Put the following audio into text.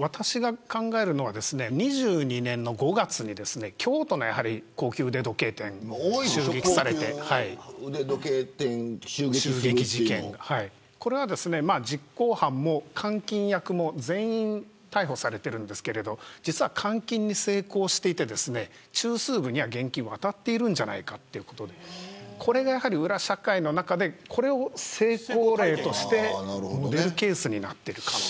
私が考えるのは２２年の５月に京都の高級腕時計店を襲撃されてこれは実行犯も換金役も全員逮捕されているんですけど換金に成功していて中枢部には現金が渡っているんじゃないかということで裏社会の中でこれを成功例としてモデルケースになっている可能性。